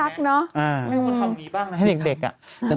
ตื่นปิ่นเวท